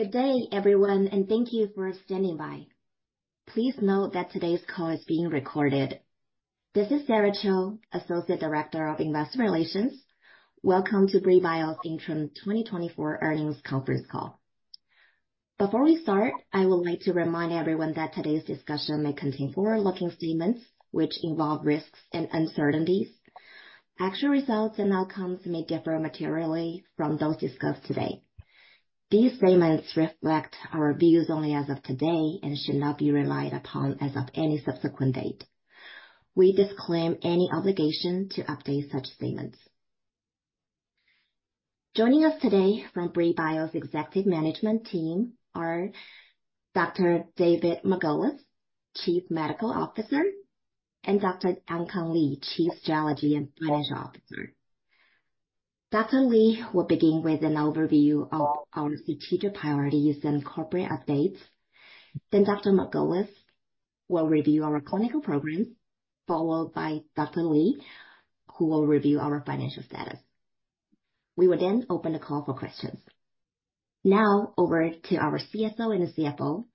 Good day, everyone, and thank you for standing by. Please note that today's call is being recorded. This is Sarah Cho, Associate Director of Investor Relations. Welcome to Brii Bio's Interim 2024 Earnings Conference Call. Before we start, I would like to remind everyone that today's discussion may contain forward-looking statements, which involve risks and uncertainties. Actual results and outcomes may differ materially from those discussed today. These statements reflect our views only as of today and should not be relied upon as of any subsequent date. We disclaim any obligation to update such statements. Joining us today from Brii Bio's executive management team are Dr. David Margolis, Chief Medical Officer, and Dr. Ankang Li, Chief Strategy and Financial Officer. Dr. Li will begin with an overview of our strategic priorities and corporate updates. Then Dr. Margolis will review our clinical programs, followed by Dr. Li, who will review our financial status. We will then open the call for questions. Now over to our CSO and CFO,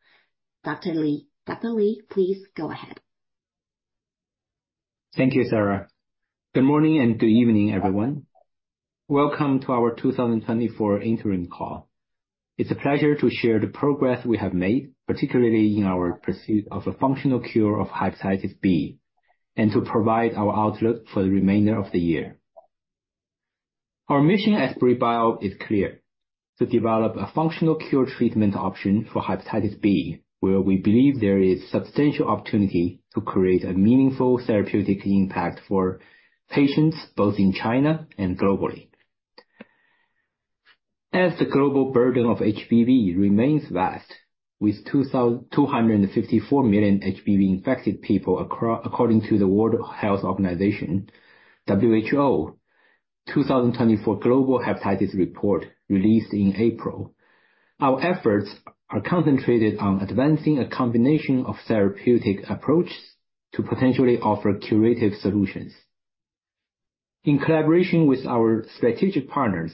Dr. Li. Dr. Li, please go ahead. Thank you, Sarah. Good morning and good evening, everyone. Welcome to our 2024 interim call. It's a pleasure to share the progress we have made, particularly in our pursuit of a functional cure of hepatitis B, and to provide our outlook for the remainder of the year. Our mission at Brii Bio is clear: to develop a functional cure treatment option for hepatitis B, where we believe there is substantial opportunity to create a meaningful therapeutic impact for patients both in China and globally. As the global burden of HBV remains vast, with 254 million HBV-infected people according to the World Health Organization (WHO) 2024 Global Hepatitis Report, released in April. Our efforts are concentrated on advancing a combination of therapeutic approaches to potentially offer curative solutions. In collaboration with our strategic partners,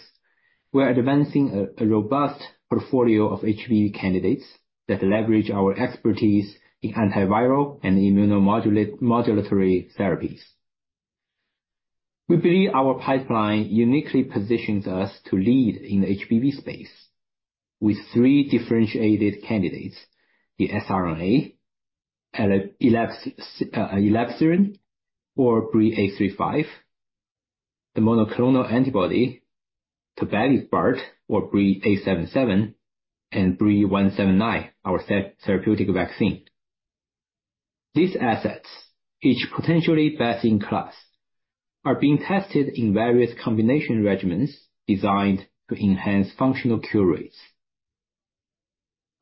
we are advancing a robust portfolio of HBV candidates that leverage our expertise in antiviral and immunomodulatory therapies. We believe our pipeline uniquely positions us to lead in the HBV space with three differentiated candidates: the siRNA, and elebsiran or BRII-835, the monoclonal antibody, tobevibart or BRII-877, and BRII-179, our therapeutic vaccine. These assets, each potentially best in class, are being tested in various combination regimens designed to enhance functional cure rates.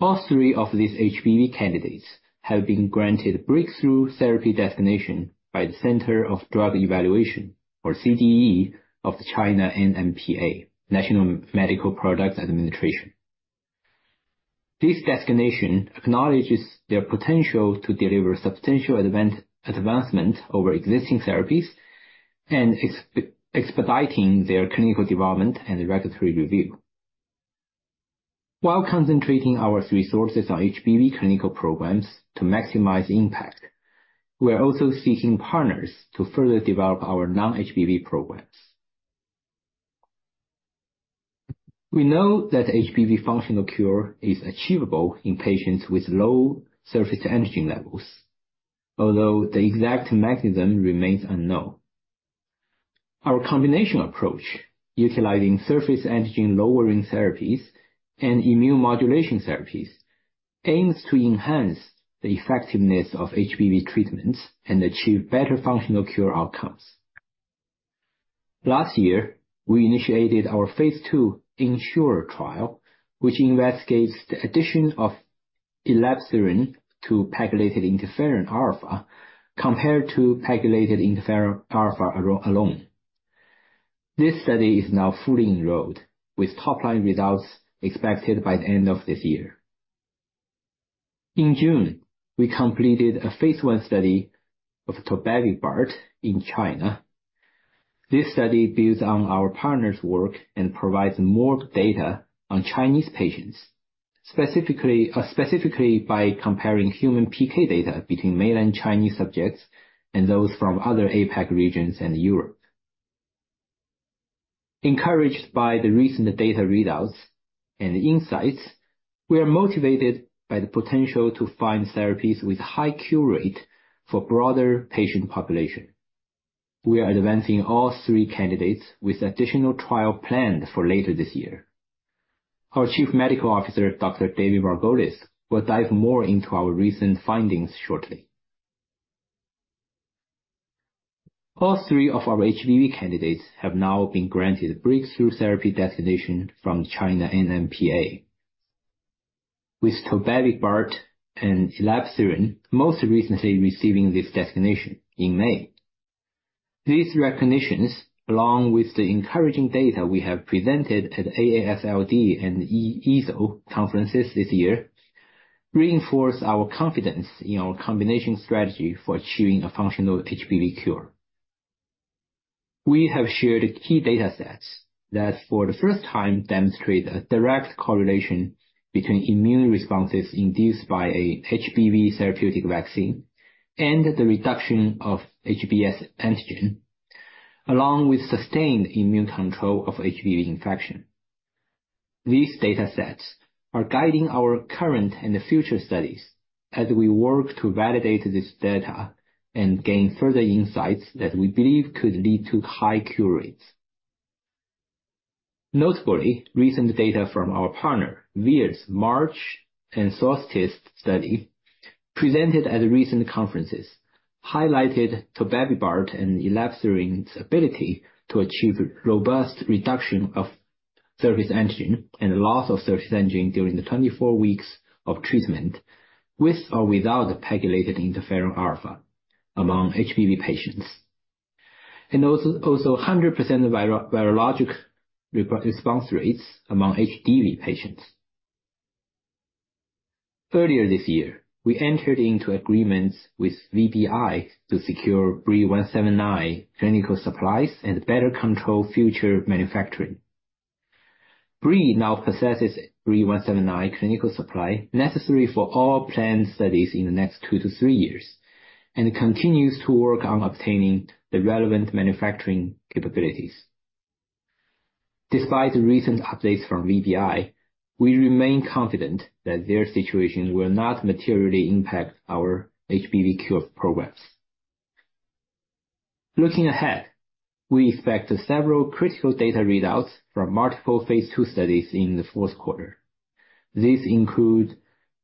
All three of these HBV candidates have been granted breakthrough therapy designation by the Center for Drug Evaluation, or CDE, of the China NMPA, National Medical Products Administration. This designation acknowledges their potential to deliver substantial advancement over existing therapies and expediting their clinical development and regulatory review. While concentrating our resources on HBV clinical programs to maximize impact, we are also seeking partners to further develop our non-HBV programs. We know that HBV functional cure is achievable in patients with low surface antigen levels, although the exact mechanism remains unknown. Our combination approach, utilizing surface antigen lowering therapies and immune modulation therapies, aims to enhance the effectiveness of HBV treatments and achieve better functional cure outcomes. Last year, we initiated our phase II INSURE trial, which investigates the addition of elebsiran to pegylated interferon alpha compared to pegylated interferon alpha alone. This study is now fully enrolled, with top line results expected by the end of this year. In June, we completed a phase I study of tobevibart in China. This study builds on our partner's work and provides more data on Chinese patients, specifically by comparing human PK data between mainland Chinese subjects and those from other APAC regions and Europe. Encouraged by the recent data readouts and insights, we are motivated by the potential to find therapies with high cure rate for broader patient population. We are advancing all three candidates with additional trial planned for later this year. Our Chief Medical Officer, Dr. David Margolis, will dive more into our recent findings shortly. All three of our HBV candidates have now been granted breakthrough therapy designation from China NMPA, with tobevibart and elebsiran most recently receiving this designation in May. These recognitions, along with the encouraging data we have presented at AASLD and EASL conferences this year, reinforce our confidence in our combination strategy for achieving a functional HBV cure. We have shared key data sets that for the first time demonstrate a direct correlation between immune responses induced by a HBV therapeutic vaccine and the reduction of HBsAg, along with sustained immune control of HBV infection. These data sets are guiding our current and future studies as we work to validate this data and gain further insights that we believe could lead to high cure rates. Notably, recent data from our partner Vir's MARCH and SOLSTICE study, presented at recent conferences, highlighted tobevibart and elebsiran's ability to achieve robust reduction of surface antigen and loss of surface antigen during the 24 weeks of treatment, with or without pegylated interferon alpha among HBV patients, and also 100% virologic response rates among HBV patients. Earlier this year, we entered into agreements with VBI to secure BRII-179 clinical supplies and better control future manufacturing. Brii now possesses BRII-179 clinical supply necessary for all planned studies in the next two-three years, and continues to work on obtaining the relevant manufacturing capabilities. Despite recent updates from VBI, we remain confident that their situation will not materially impact our HBV cure programs. Looking ahead, we expect several critical data readouts from multiple phase II studies in the fourth quarter. These include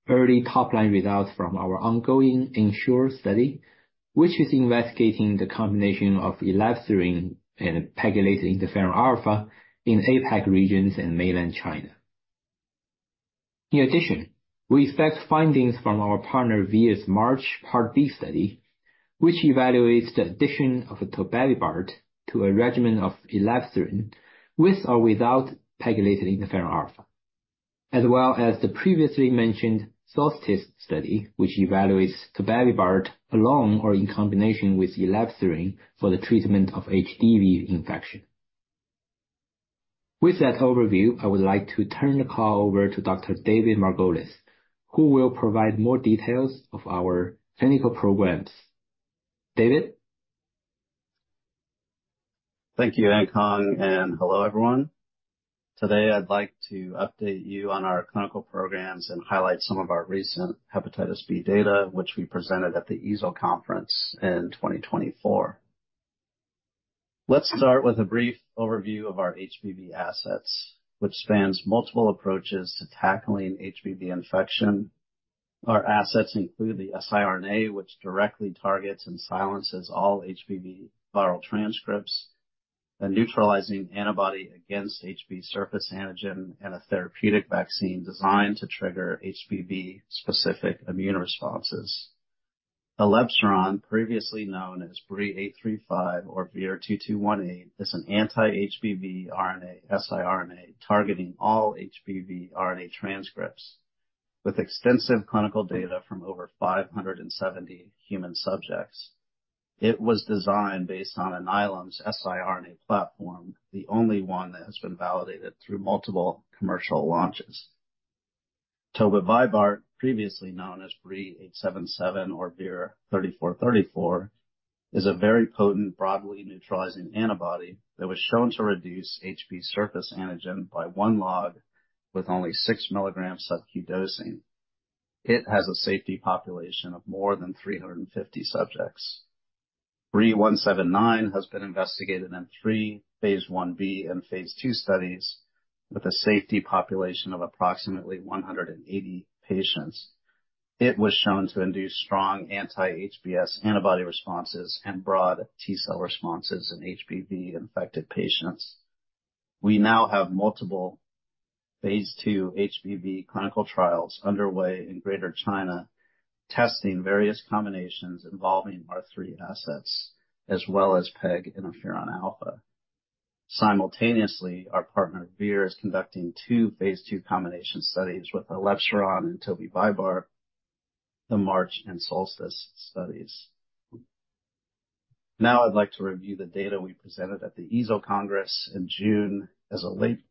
early top-line results from our ongoing INSURE study, which is investigating the combination of elebsiran and pegylated interferon alpha in APAC regions and mainland China. In addition, we expect findings from our partner Vir's MARCH Part B study, which evaluates the addition of tobevibart to a regimen of elebsiran, with or without pegylated interferon alpha, as well as the previously mentioned SOLSTICE study, which evaluates tobevibart alone or in combination with elebsiran for the treatment of HBV infection. With that overview, I would like to turn the call over to Dr. David Margolis, who will provide more details of our clinical programs. David? Thank you, Ankang, and hello, everyone. Today, I'd like to update you on our clinical programs and highlight some of our recent hepatitis B data, which we presented at the EASL conference in 2024. Let's start with a brief overview of our HBV assets, which spans multiple approaches to tackling HBV infection. Our assets include the siRNA, which directly targets and silences all HBV viral transcripts, a neutralizing antibody against HB surface antigen, and a therapeutic vaccine designed to trigger HBV-specific immune responses. Elebsiran, previously known as BRII-835 or VIR-2218, is an anti-HBV RNA, siRNA, targeting all HBV RNA transcripts with extensive clinical data from over 570 human subjects. It was designed based on Alnylam's siRNA platform, the only one that has been validated through multiple commercial launches. Tobevibart, previously known as BRII-877 or VIR-3434, is a very potent, broadly neutralizing antibody that was shown to reduce HBsAg by one log with only 6 mg sub-Q dosing. It has a safety population of more than 350 subjects. BRII-179 has been investigated in three phase Ib and phase II studies, with a safety population of approximately 180 patients. It was shown to induce strong anti-HBs antibody responses and broad T cell responses in HBV-infected patients. We now have multiple phase II HBV clinical trials underway in Greater China, testing various combinations involving our three assets, as well as peg interferon alpha. Simultaneously, our partner, Vir, is conducting two phase II combination studies with elebsiran and Tobevibart, the MARCH and SOLSTICE studies. Now I'd like to review the data we presented at the EASL Congress in June as a late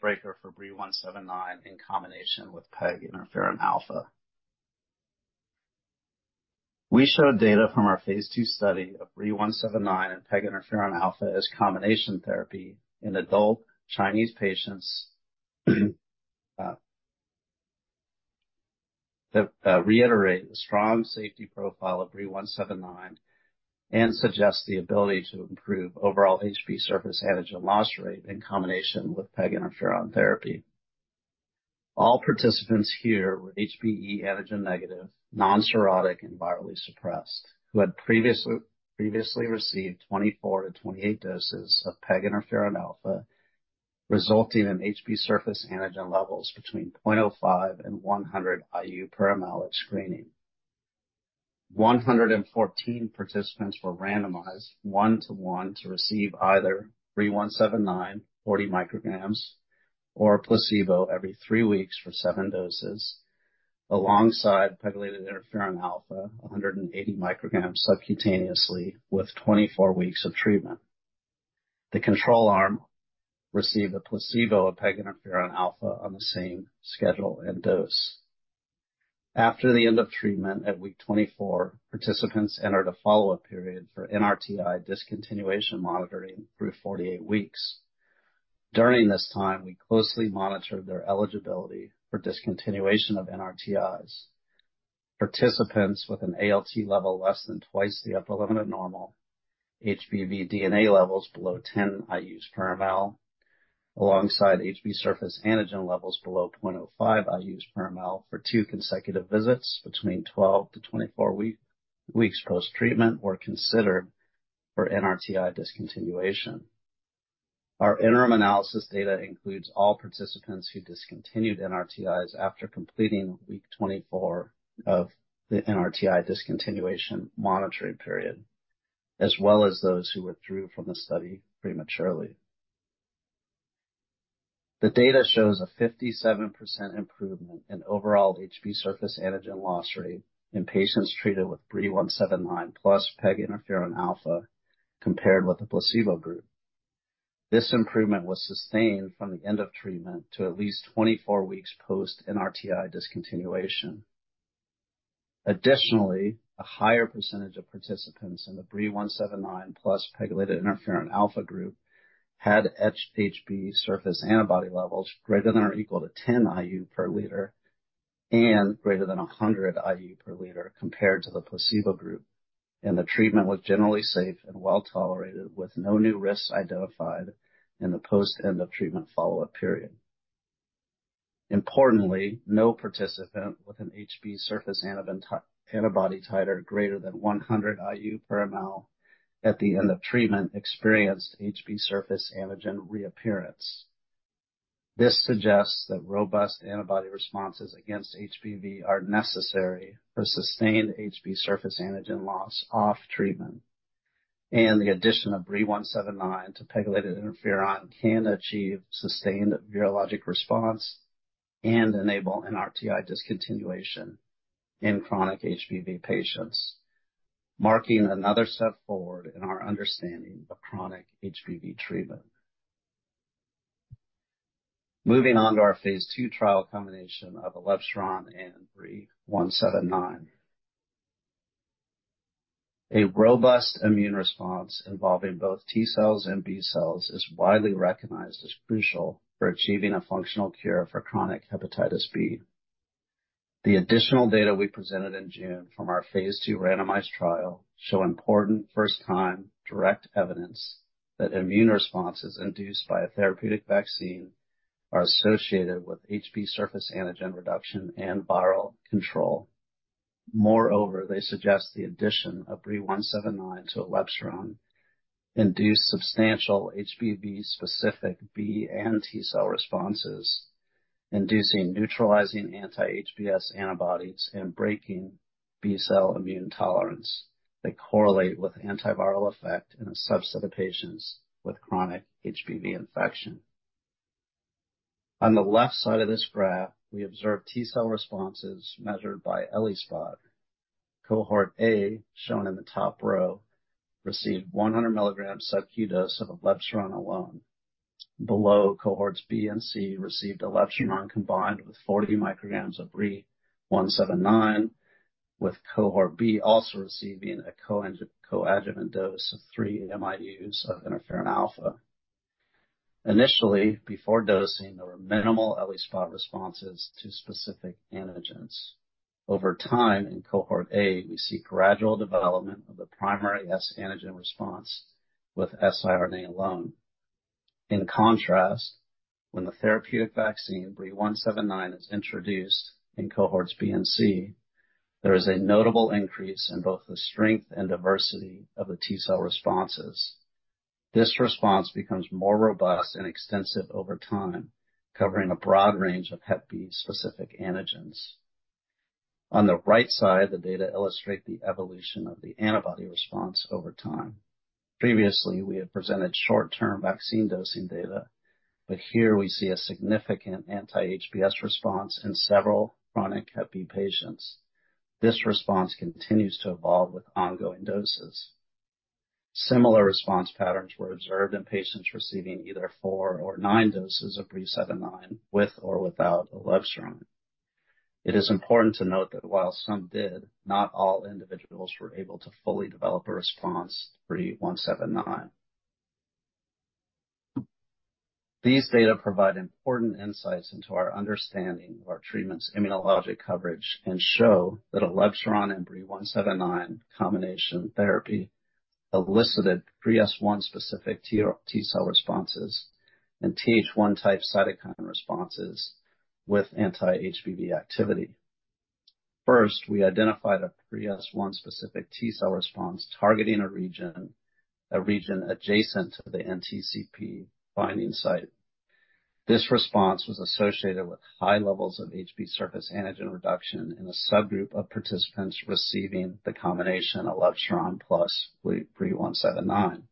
breaker for BRII-179 in combination with pegylated interferon alpha. We showed data from our phase II study of BRII-179 and pegylated interferon alpha as combination therapy in adult Chinese patients that reiterate the strong safety profile of BRII-179 and suggests the ability to improve overall HBsAg loss rate in combination with pegylated interferon therapy. All participants here were HBeAg-negative, non-cirrhotic and virally suppressed, who had previously received 24-28 doses of pegylated interferon alpha, resulting in HBsAg levels between 0.05 IU per mL-100 IU per mL at screening. 114 participants were randomized, one to one, to receive either BRII-179 40 mcg or a placebo every three weeks for seven doses. Alongside pegylated interferon alpha, 180 mcg subcutaneously with 24 weeks of treatment. The control arm received a placebo of peg interferon alpha on the same schedule and dose. After the end of treatment at week 24, participants entered a follow-up period for NRTI discontinuation monitoring through 48 weeks. During this time, we closely monitored their eligibility for discontinuation of NRTIs. Participants with an ALT level less than twice the upper limit of normal, HBV DNA levels below 10 IUs per ml, alongside HB surface antigen levels below 0.05 IUs per ml for two consecutive visits between 12 weeks to 24 weeks post-treatment were considered for NRTI discontinuation. Our interim analysis data includes all participants who discontinued NRTIs after completing week 24 of the NRTI discontinuation monitoring period, as well as those who withdrew from the study prematurely. The data shows a 57% improvement in overall HBsAg loss rate in patients treated with BRII-179, plus pegylated interferon alpha, compared with the placebo group. This improvement was sustained from the end of treatment to at least 24 weeks post NRTI discontinuation. Additionally, a higher percentage of participants in the BRII-179, plus pegylated interferon alpha group had anti-HBs levels greater than or equal to 10 IU per liter and greater than 100 IU per liter compared to the placebo group, and the treatment was generally safe and well-tolerated, with no new risks identified in the post end of treatment follow-up period. Importantly, no participant with an anti-HBs antibody titer greater than 100 IU per ml at the end of treatment experienced HBsAg reappearance. This suggests that robust antibody responses against HBV are necessary for sustained HBsAg loss off treatment, and the addition of BRII-179 to pegylated interferon can achieve sustained virologic response and enable NRTI discontinuation in chronic HBV patients, marking another step forward in our understanding of chronic HBV treatment. Moving on to our phase II trial combination of elebsiran and BRII-179. A robust immune response involving both T cells and B cells is widely recognized as crucial for achieving a functional cure for chronic hepatitis B. The additional data we presented in June from our phase II randomized trial show important first time direct evidence that immune responses induced by a therapeutic vaccine are associated with HBsAg reduction and viral control. Moreover, they suggest the addition of BRII-179 to elebsiran induce substantial HBV-specific B and T cell responses, inducing neutralizing anti-HBs antibodies and breaking B cell immune tolerance that correlate with antiviral effect in a subset of patients with chronic HBV infection. On the left side of this graph, we observe T cell responses measured by ELISpot. Cohort A, shown in the top row, received 100 mg sub-Q dose of elebsiran alone. Below, cohorts B and C received elebsiran combined with 40 mcg of BRII-179, with cohort B also receiving a coadjuvant dose of 3 MIUs of interferon alpha. Initially, before dosing, there were minimal ELISpot responses to specific antigens. Over time, in cohort A, we see gradual development of the primary S antigen response with siRNA alone. In contrast, when the therapeutic vaccine, BRII-179, is introduced in cohorts B and C, there is a notable increase in both the strength and diversity of the T cell responses. This response becomes more robust and extensive over time, covering a broad range of hep B-specific antigens. On the right side, the data illustrate the evolution of the antibody response over time. Previously, we had presented short-term vaccine dosing data, but here we see a significant anti-HBs response in several chronic hep B patients. This response continues to evolve with ongoing doses. Similar response patterns were observed in patients receiving either four or nine doses of BRII-179, with or without elebsiran. It is important to note that while some did, not all individuals were able to fully develop a response to BRII-179. These data provide important insights into our understanding of our treatment's immunologic coverage and show that elebsiran and BRII-179 combination therapy elicited pre-S1 specific T cell responses and Th1 type cytokine responses with anti-HBV activity. First, we identified a pre-S1 specific T cell response targeting a region adjacent to the NTCP binding site. This response was associated with high levels of HBs surface antigen reduction in a subgroup of participants receiving the combination elebsiran plus BRII-179.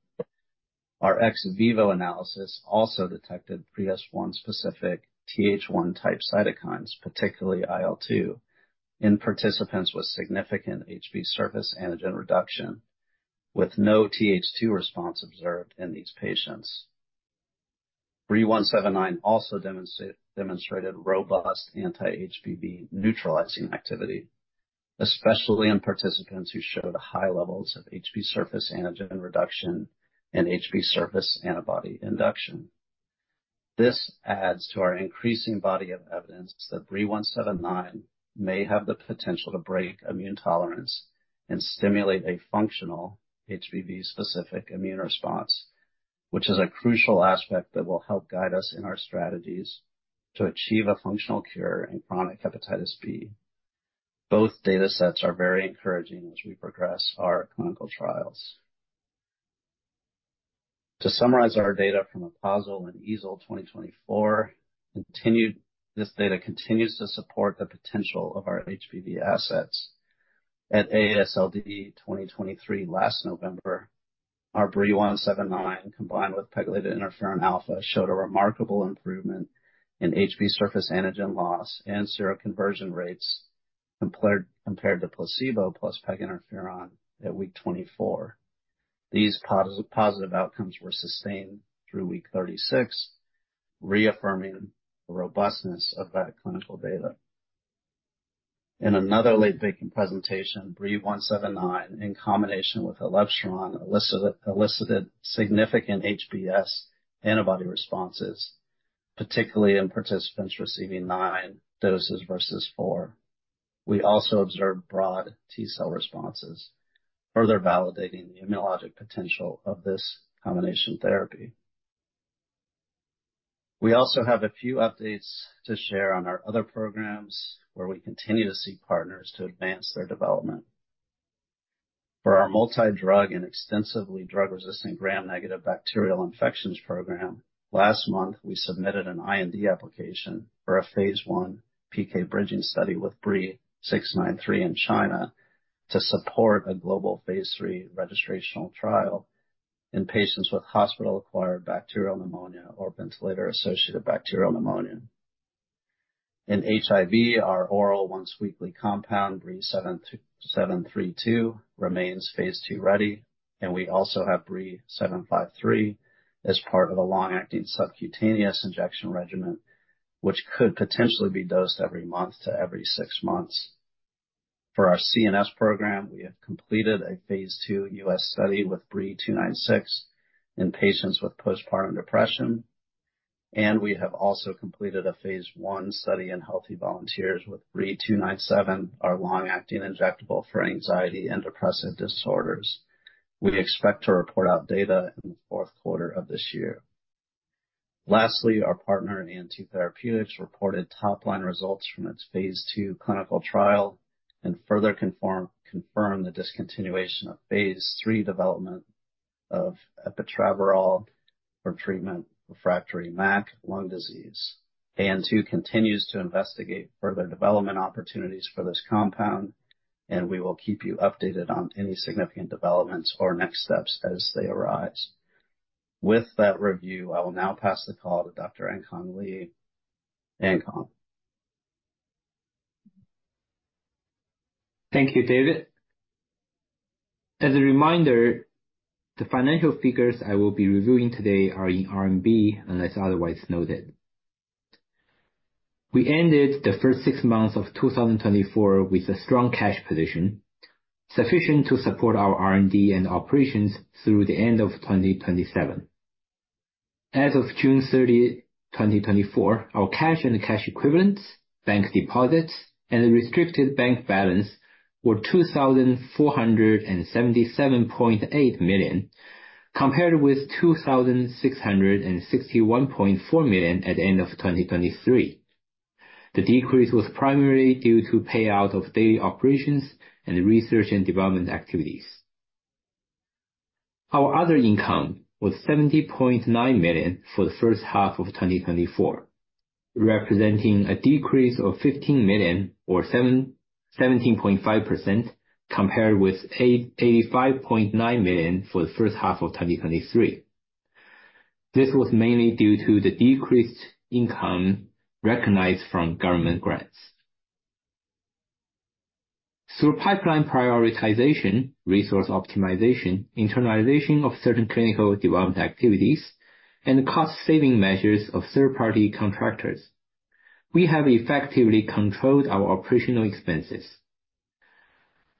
Our ex vivo analysis also detected pre-S1 specific Th1 type cytokines, particularly IL-2, in participants with significant HBs surface antigen reduction, with no Th2 response observed in these patients. BRII-179 also demonstrated robust anti-HBV neutralizing activity, especially in participants who showed high levels of HBs surface antigen reduction and HBs surface antibody induction. This adds to our increasing body of evidence that BRII-179 may have the potential to break immune tolerance and stimulate a functional HBV-specific immune response, which is a crucial aspect that will help guide us in our strategies to achieve a functional cure in chronic hepatitis B. Both data sets are very encouraging as we progress our clinical trials. To summarize our data from APASL and EASL 2024, this data continues to support the potential of our HBV assets. At AASLD 2023, last November, our BRII-179, combined with pegylated interferon alpha, showed a remarkable improvement in HBsAg loss and seroconversion rates compared to placebo plus peg interferon at week 24. These positive outcomes were sustained through week 36, reaffirming the robustness of that clinical data. In another late-breaking presentation, BRII-179, in combination with elebsiran, elicited significant HBs antibody responses, particularly in participants receiving nine doses versus four. We also observed broad T-cell responses, further validating the immunologic potential of this combination therapy. We also have a few updates to share on our other programs, where we continue to seek partners to advance their development. For our multidrug and extensively drug-resistant gram-negative bacterial infections program, last month, we submitted an IND application for a phase I PK bridging study with BRII-693 in China, to support a global phase III registrational trial in patients with hospital-acquired bacterial pneumonia or ventilator-associated bacterial pneumonia. In HIV, our oral once-weekly compound, BRII-732, remains phase II ready, and we also have BRII-753 as part of the long-acting subcutaneous injection regimen, which could potentially be dosed every month to every six months. For our CNS program, we have completed a phase II U.S. study with BRII-296 in patients with postpartum depression, and we have also completed a phase I study in healthy volunteers with BRII-297, our long-acting injectable for anxiety and depressive disorders. We expect to report out data in the fourth quarter of this year. Lastly, our partner, AN2 Therapeutics, reported top-line results from its phase II clinical trial and further confirm the discontinuation of phase III development of epetraborole for treatment-refractory MAC lung disease. AN2 continues to investigate further development opportunities for this compound, and we will keep you updated on any significant developments or next steps as they arise. With that review, I will now pass the call to Dr. Ankang Li. Ankang? Thank you, David. As a reminder, the financial figures I will be reviewing today are in RMB, unless otherwise noted. We ended the first six months of 2024 with a strong cash position, sufficient to support our R&D and operations through the end of 2027. As of June 30th, 2024, our cash and cash equivalents, bank deposits, and restricted bank balance were 2,477.8 million, compared with 2,661.4 million at the end of 2023. The decrease was primarily due to payout of daily operations and research and development activities. Our other income was 70.9 million for the first half of 2024, representing a decrease of 15 million or 17.5%, compared with 85.9 million for the first half of 2023. This was mainly due to the decreased income recognized from government grants. Through pipeline prioritization, resource optimization, internalization of certain clinical development activities, and cost saving measures of third-party contractors, we have effectively controlled our operational expenses.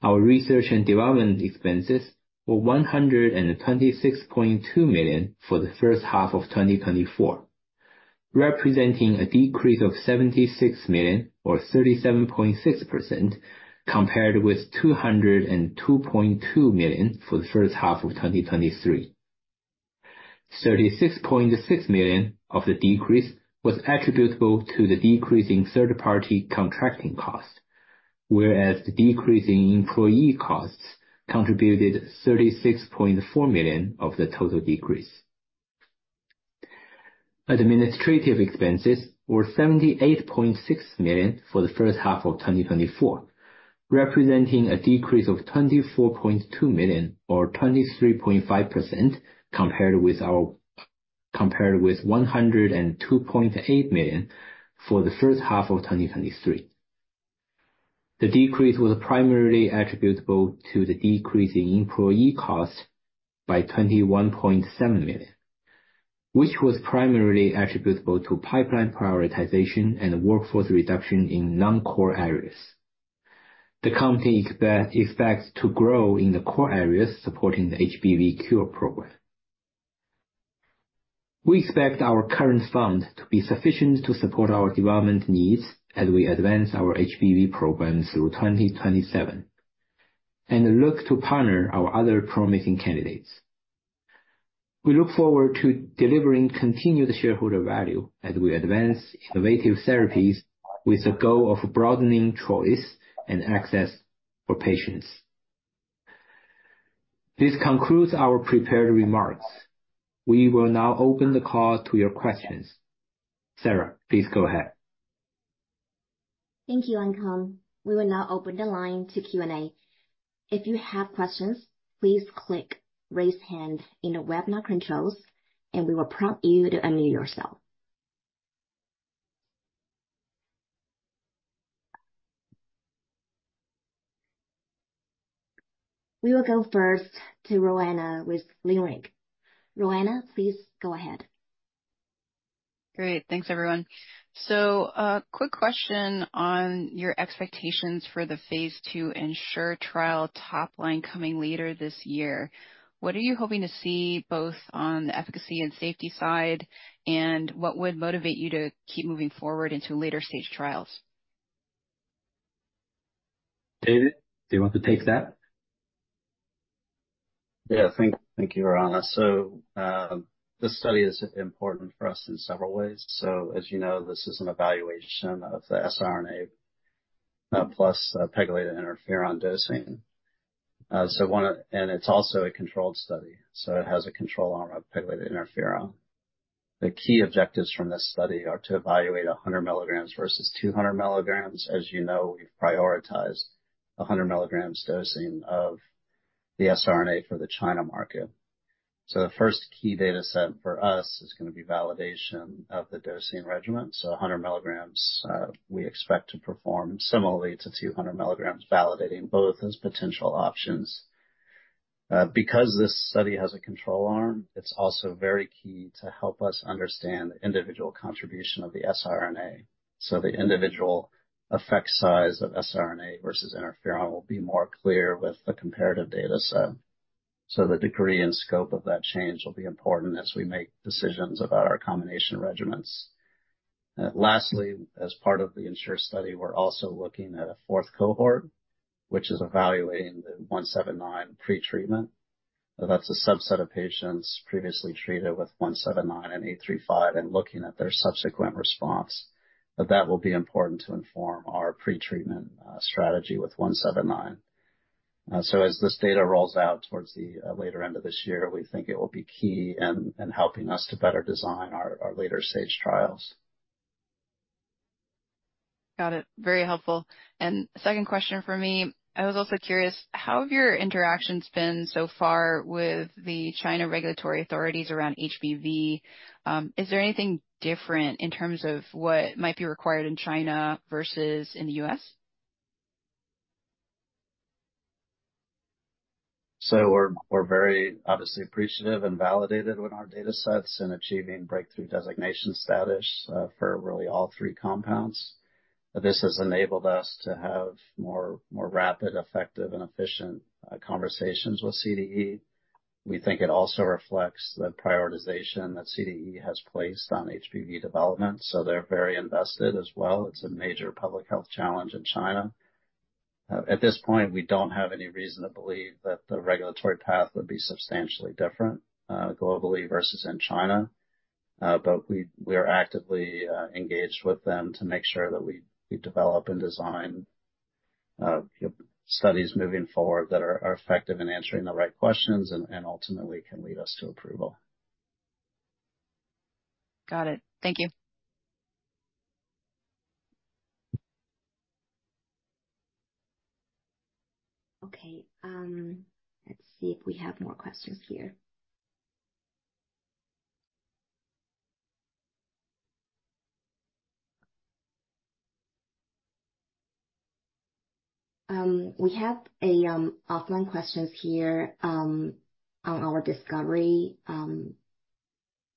Our research and development expenses were 126.2 million for the first half of 2024, representing a decrease of 76 million, or 37.6%, compared with 202.2 million for the first half of 2023. 36.6 million of the decrease was attributable to the decrease in third-party contracting cost, whereas the decrease in employee costs contributed 36.4 million of the total decrease. Administrative expenses were 78.6 million for the first half of 2024, representing a decrease of 24.2 million, or 23.5%, compared with 102.8 million for the first half of 2023. The decrease was primarily attributable to the decrease in employee costs by 21.7 million, which was primarily attributable to pipeline prioritization and workforce reduction in non-core areas. The company expects to grow in the core areas supporting the HBV cure program. We expect our current funds to be sufficient to support our development needs as we advance our HBV program through 2027 and look to partner our other promising candidates. We look forward to delivering continued shareholder value as we advance innovative therapies with the goal of broadening choice and access for patients. This concludes our prepared remarks. We will now open the call to your questions. Sarah, please go ahead. Thank you, Ankang. We will now open the line to Q&A. If you have questions, please click Raise Hand in the webinar controls, and we will prompt you to unmute yourself. We will go first to Roanna with Leerink. Roanna, please go ahead. Great. Thanks, everyone. So, quick question on your expectations for the phase II INSURE trial top line coming later this year. What are you hoping to see, both on the efficacy and safety side? And what would motivate you to keep moving forward into later-stage trials? David, do you want to take that? Yeah. Thank you, Roanna. This study is important for us in several ways. As you know, this is an evaluation of the siRNA plus pegylated interferon dosing. And it's also a controlled study, so it has a control arm of pegylated interferon. The key objectives from this study are to evaluate 100 mg versus 200 mg. As you know, we've prioritized 100 mg dosing of the siRNA for the China market. The first key data set for us is going to be validation of the dosing regimen. 100 mg, we expect to perform similarly to 200 mg, validating both as potential options. Because this study has a control arm, it's also very key to help us understand the individual contribution of the siRNA. So the individual effect size of siRNA versus interferon will be more clear with the comparative data set, so the degree and scope of that change will be important as we make decisions about our combination regimens. Lastly, as part of the INSURE study, we're also looking at a fourth cohort, which is evaluating the BRII-179 pretreatment. That's a subset of patients previously treated with BRII-179 and BRII-835 and looking at their subsequent response. But that will be important to inform our pretreatment strategy with BRII-179. So as this data rolls out towards the later end of this year, we think it will be key in helping us to better design our later-stage trials. Got it. Very helpful. And second question from me, I was also curious, how have your interactions been so far with the China regulatory authorities around HBV? Is there anything different in terms of what might be required in China versus in the U.S.? We're very obviously appreciative and validated with our data sets in achieving breakthrough designation status for really all three compounds. This has enabled us to have more rapid, effective, and efficient conversations with CDE. We think it also reflects the prioritization that CDE has placed on HBV development, so they're very invested as well. It's a major public health challenge in China. At this point, we don't have any reason to believe that the regulatory path would be substantially different globally versus in China. We are actively engaged with them to make sure that we develop and design studies moving forward that are effective in answering the right questions and ultimately can lead us to approval. Got it. Thank you. Okay, let's see if we have more questions here. We have offline questions here on our discovery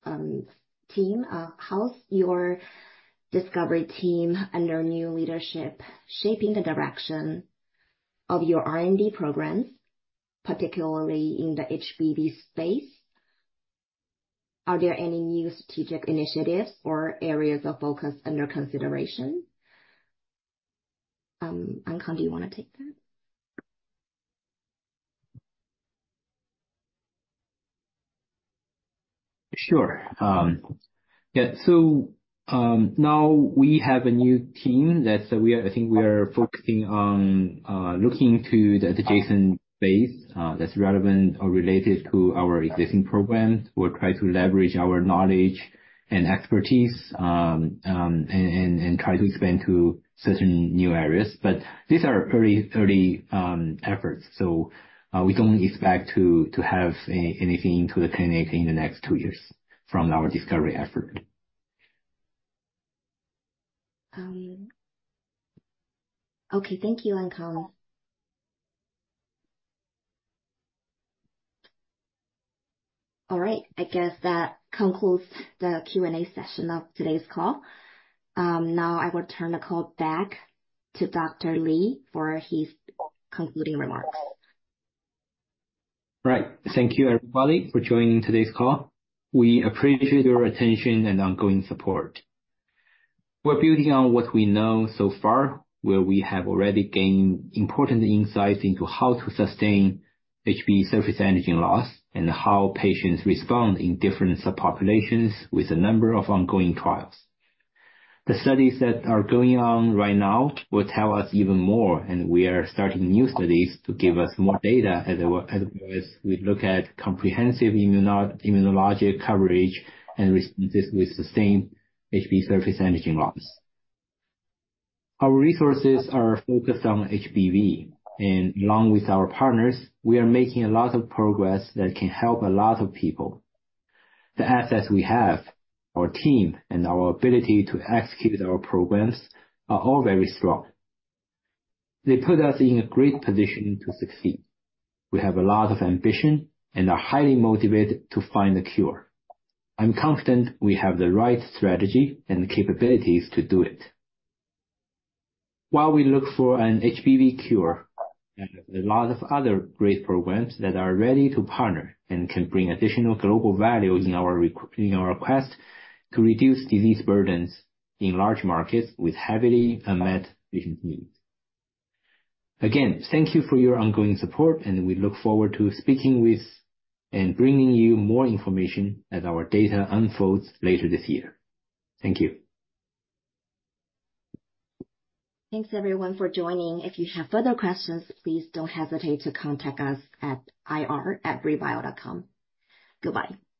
team. How's your discovery team under new leadership shaping the direction of your R&D programs, particularly in the HBV space? Are there any new strategic initiatives or areas of focus under consideration? Ankang, do you want to take that? Sure. Yeah, so now we have a new team that we are, I think we are focusing on looking to the adjacent base that's relevant or related to our existing programs. We'll try to leverage our knowledge and expertise, and try to expand to certain new areas. But these are very early efforts, so we don't expect to have anything to attain it in the next two years from our discovery effort. Okay, thank you, Ankang. All right, I guess that concludes the Q&A session of today's call. Now I will turn the call back to Dr. Li for his concluding remarks. Right. Thank you, everybody, for joining today's call. We appreciate your attention and ongoing support. We're building on what we know so far, where we have already gained important insights into how to sustain HBV surface antigen loss, and how patients respond in different subpopulations with a number of ongoing trials. The studies that are going on right now will tell us even more, and we are starting new studies to give us more data as we look at comprehensive immunologic coverage and responses with sustained HBV surface antigen loss. Our resources are focused on HBV, and along with our partners, we are making a lot of progress that can help a lot of people. The assets we have, our team, and our ability to execute our programs are all very strong. They put us in a great position to succeed. We have a lot of ambition and are highly motivated to find a cure. I'm confident we have the right strategy and capabilities to do it. While we look for an HBV cure, there are a lot of other great programs that are ready to partner and can bring additional global value in our quest to reduce disease burdens in large markets with heavily unmet patient needs. Again, thank you for your ongoing support, and we look forward to speaking with and bringing you more information as our data unfolds later this year. Thank you. Thanks, everyone, for joining. If you have further questions, please don't hesitate to contact us at ir@briibio.com. Goodbye.